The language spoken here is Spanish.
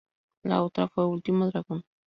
La otra fue "Último Dragon".